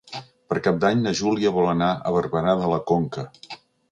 Per Cap d'Any na Júlia vol anar a Barberà de la Conca.